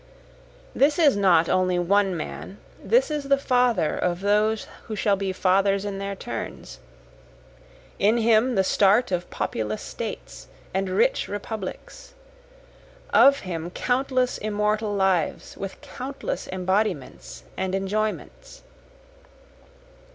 This is not only one man, this the father of those who shall be fathers in their turns, In him the start of populous states and rich republics, Of him countless immortal lives with countless embodiments and enjoyments.